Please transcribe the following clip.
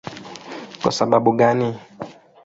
Kwa sababu gani?